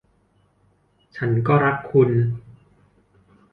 ฉันก็รักคุณ